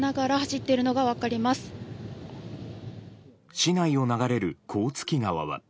市内を流れる甲突川は。